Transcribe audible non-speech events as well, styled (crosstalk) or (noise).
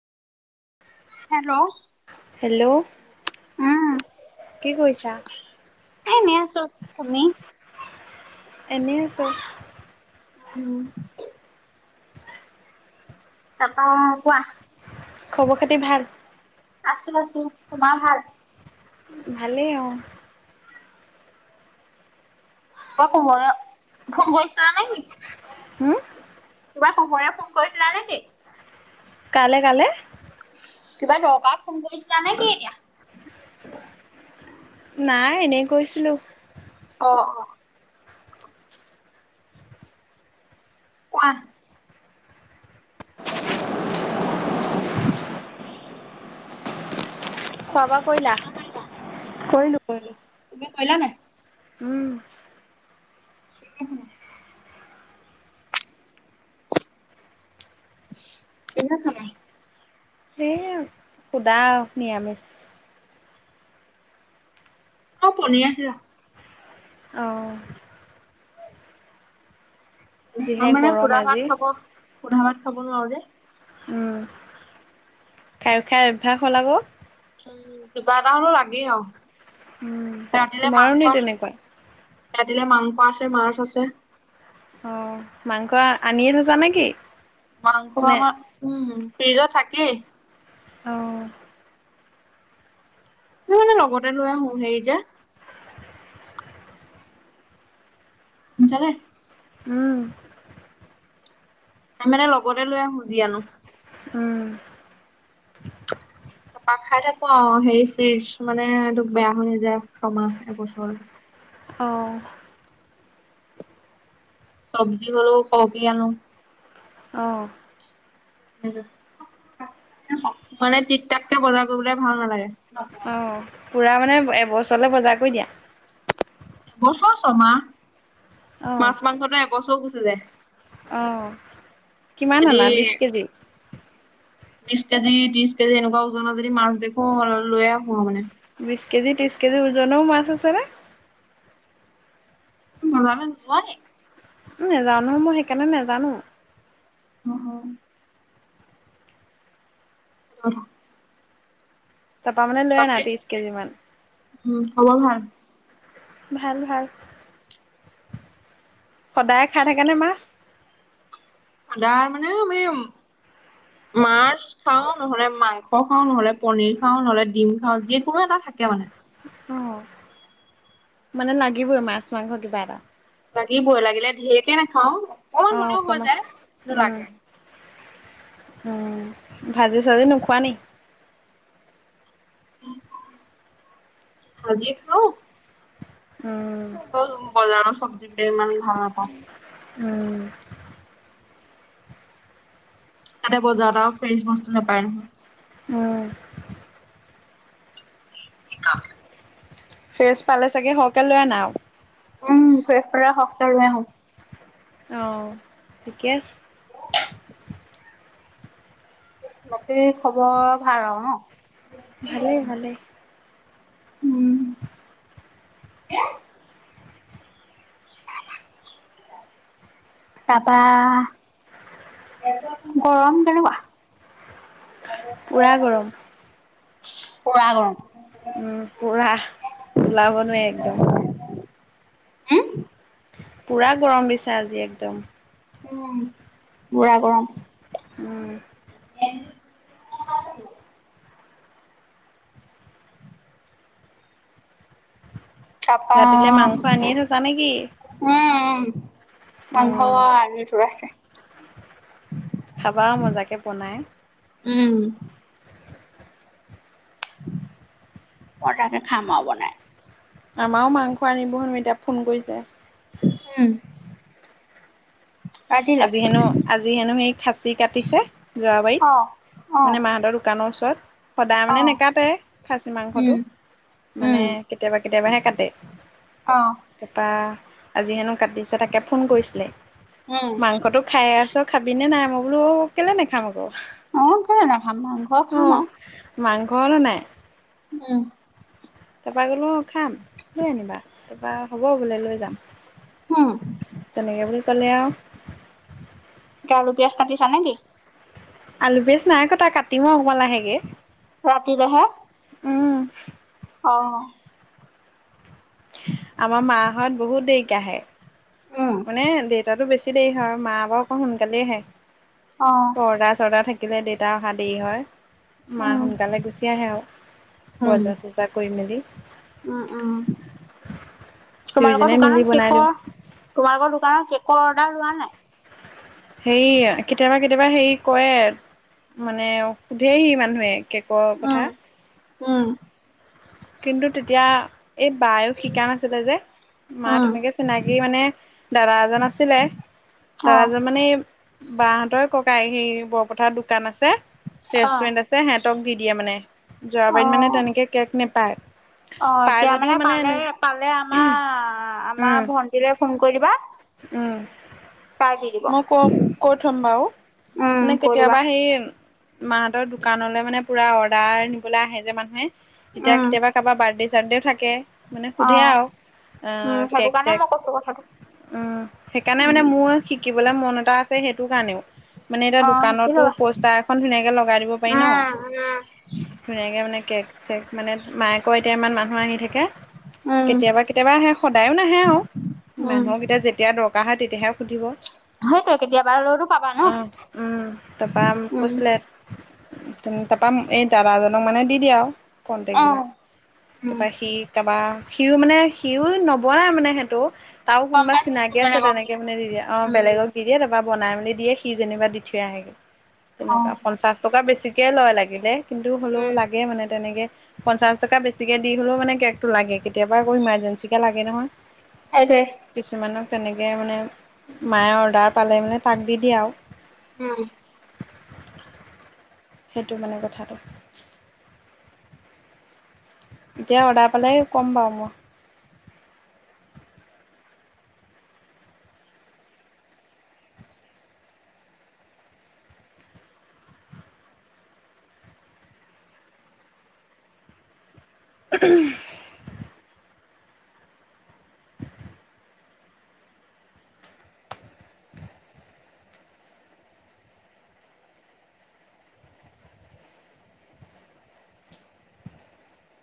Hello hello উম কি কৰিছা? এ এনেই আছো। তুমি? এনেই আছো। উম। তাপা কোৱা? খবৰ খাতি ভাল? আছো আছো। তোমাৰ ভাল? ভালেই অ। (unintelligible) হুম কিবা শহুৰে ফোন কৰিছিলা নেকি? কালে কালে কিবা দকাৰত ফোন কৰিছিলা নে কি এতিয়া নাই এনেই কৈছিলোঁ। অ অ কোৱা? খোৱা বোৱা কৰিলা? কৰিলো কৰিলো। তুমি কৰিলা নাই? উম। (unintelligible) এনে খাবা সেইয়া সুধা নিৰামিষ অ পনীয়াছিলা। অ। ত যিহে মানে গৰম সুধা ভাত আজি। খাব সুধা ভাত খাব নোৱাৰো যে। উম খাই খাই অভ্যাস হ'ল আক। উম কিবা এটা হ'লেও লাগে আও ৰাতিলে তোমাৰো মাংস নি আছে। তেনেকুৱা? ৰাতিলে মাংস আছে মাছ আছে। অ মাংস আনিয়ে থৈছা নেকি? মাংস নে আমাৰ উম ফ্ৰিজত থাকেই। অ। তুমি মানে লগতে লৈ আহো হেৰি যে। শুনিছানে? উম। আমি মানে লগতে লৈ আহো যি আনো। উম। (unintelligible) পা খাই থাকো অ হেৰি ফ্ৰিজ মানে এইটো বেয়া হৈ নাযায় ছমাহ এবছৰলে। অ। চব্জি হলো খগি আনো। অঁ। মানে টিকটাককে বজাৰ কৰিবলৈ ভাল নালাগে। অ পুৰা মানে এবছৰলৈ বজাৰ কৰি দিয়া। এবছৰ -ছমাহ, অ'। মাছ - মাংসতে এবছৰো গুচি যায়। অঁ কিমান যদি অনা বিছ কেজি? বিশ কেজি, ত্ৰিশ কেজি এনেকুৱা ওজনৰ যদি মাছ দেখো অ লৈয়ে আহো মানে। বিশ কেজি, ত্ৰিশ কেজি ওজনেও মাছ আছেনে? বজাৰলৈ নোযোৱা নি? নেযাওঁ নহয় মই সেইকাৰণে নেজানো। নহয়। আৰু তাৰাপা মানে লৈ আনা বাকী ত্ৰিশ কেজি মান। উম খবৰ ভাল? ভাল ভাল। সদায় খাই থাকে নে মাছ? সদায় মানে আমি মাছ খাও নহলে মাংস খাও নহলে, পনীৰ খাও, নহলে ডিম খাওঁ যি কোনো এটা থাকে মানে। অ মানে লাগিবই মাছ মাংস কিবা এটা। লাগিব লাগিলে ঢেৰকে নাখাওঁ। অ হ'লেও হৈ অকমান যায় কিন্তু উম। লাগে। উম ভাজি চাজি নোখোৱা নি? ভাঁজি খাওঁ। অ। ত বজাৰৰ চব্জি গে ইমান ভাল নাপাওঁ। উম। তাতে বজাৰত আৰু ফ্ৰেছ বস্তু নাপায় নহয়। উম। কি ক? ফ্ৰেছ পালে চাগে সৰকে লৈ আনা আৰু। উম ফ্ৰেছ পালে সৰহকে লৈ আনো। অঁ ঠিকে আছে। বাকী খবৰ ভাল আৰু ভালেই ন? ভালেই উম। তাৰাপা গৰম কেনেকুৱা? পুৰা গৰম পুৰা গৰম। উম পুৰা, ওলাব নোৱাৰি একদম। হুম? পুৰা গৰম দিছে আজি একদম। উম পুৰা গৰম। উম। তাৰপা ৰাতিলে মাংস উম আনিয়ে থৈছা নেকি? উম, মাংস উম আকৌ আনি থোৱা আছে। খাবা মজাকে বনাই। উম। মই তাতে খাম আও বনাই। আমাৰও মাংস আনিব হেনো এতিয়া ফোন কৰিছে। উম। ৰাতিলে? আজি হেনো আজি হেনো সেই খাচী কাটিছে যোৱাবাৰীত। অ', অ', মানে মাহতৰ দোকানৰ ওচৰত, সদায় মানে অ'। নেকাটে খাচী উম। মাংসটো? মানে উম, কেতিয়াবা কেতিয়াবাহে কাটে। অ', তাপা আজি হেনো কাটিছে তাকে ফোন কৰিছিলে। উম, মাংসটো খাই আছ খাবিনে নাই? মই বোলো কেলে নাখাম আক। অ কেলে নাখাম মাংস খাম আও। মাংস হলোঁ নাই। উম। তা পা ক'লো খাম লৈ আনিবা তা পা হ'ব বোলে লৈ যাম। উম, তেনেকে বুলি ক'লে আও। আলু পিয়াঁজ কাটিছা নে কি? আলু পিয়াঁজ নাই কটা কাটিম আৰু অকণমান লাহেকে। ৰাতিলেহে। অ। (unintelligible) আমাৰ মাহঁত বহুত দেৰিকে আহে। উম, মানে দেউতাটো বেছি দেৰি হয়, মা ক অকণ সোনকালেই আহে। অ। পৰ্দা চৰ্দা থাকিলে দেউতা অহা দেৰি হয়। মা উম, সোনকালে গুচি আহে আৰু উম, বজাৰ চজা কৰি মেলি। উম উম তোমালোকৰ দুয়োজনে মিলি দোকানত বনাই কেক দিওঁ তোমালোকৰ দোকানত কেকৰ অৰ্ডাৰ লোৱা নাই। হেৰি কেতিয়াবা কেতিয়াবা হেৰি কৰে মানে সুধেহি মানুহে। কেকৰ উম, কথা উম, কিন্তু তেতিয়া এই বায়ে শিকা নাছিলে যে, মা উম, তেনেকে চিনাকি মানে দাদা এজন আছিলে দাদা অ', মানে বাহঁতৰ ককায়েক হে বৰপথাত দোকান আছে। অ', ৰেষ্টুৰেণ্ট আছে সিহঁতক দি দিয়ে মানে যোৱাবাৰীত মানে অ'। তেনেকে কেক নেপায়। অ পাই এতিয়া যদিও মানে পালে পালে আমাৰ উম আমাৰ ভন্টীলৈ ফোন কৰি দিবা। উম। তাই দি দিব মই ক কৈ থম বাৰু উম মানে কৈ দিবা কেতিয়াবা সেই মাহতৰ দোকানলৈ মানে পুৰা অৰ্ডাৰ নিবলৈ আহে যে মানুহে যেতিয়া উম কেতিয়াবা কাৰোবাৰ বাৰ্থডে চাৰ্ডেও থাকে মানে অ সোধে আও। অ উম সেইটো কেক কাৰণে চেক মই কৈছো কথাটো উম সেইকাৰণে মানে উম মোৰ শিকিবলৈ মন এটা আছে সেইটো কাৰণেও। মানে এতিয়া অ শিকি দোকানতো লবা পোষ্টাৰ এখন ধুনীয়াকে লগাই দিব পাৰি ন। উম ধুনীয়াকে মানে কেক চেক মানে মায়ে ক এতিয়া ইমান মানুহ আহি থাক- কে উম উম কেতিয়াবা কেতিয়াবা আহে সদায় নাহে আও উম মানুহকেইটা যেত তেতিয়া দৰকাৰ হয় তেতিয়াহে সুধিব। সেক কেতিয়াবা আৰু টো উম উম তাপা উম কৈছিলে। তা পা এই দাদাজনক মানে দি দিয়া আও। অ কণ্টেক্টবিলাক তা উম পা সি তা পা সিও মানে সিও নবোৱাই মানে সেইটো তাও গম কোনোবা পাইছো চিনাকি আছে বেলেগৰ তেনেকে কথা মানে দি দিয়ে অ। উম বেলেগক দি দিয়ে তা পা বনাই মেলি দিয়ে সি যেনিবা দি থৈ আহেগে অ তেনেকুৱা পঞ্চাশ টকা বেছিকে লয় লাগিলে কিন্তু হ'লেও উম লাগে মানে তেনেকে। পঞ্চাছ টকা বেছিকে দি হ'লেও মানে কেকটো লাগে কেতিয়াবা আকৌ ইমাৰ্জেঞ্চিকে লাগে নহয়। এ দে কিছুমানক তেনেকে মানে। মায়ে অৰ্ডাৰ পালে মানে তাক দি দিয়ে আও। উম উ উ সেইটো মানে কথাটো। এতিয়া অৰ্ডাৰ পালে ক'ম বাৰু মই। উ উমহু হু হু।